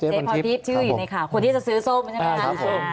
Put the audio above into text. พรทิพย์ชื่ออยู่ในข่าวคนที่จะซื้อส้มใช่ไหมคะ